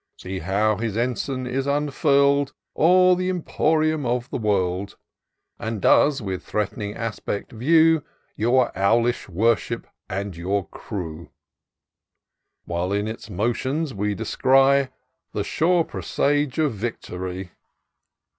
See how his ensign is unfurl'd O'er the emporium of the world. And does, with threat'ning aspect view. Your owlish worship and your crew ; While in its motions we descry The sure presage of victory.